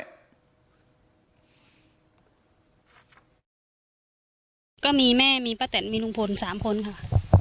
พาก็แยกจะเริ่มนำมันอากาศไป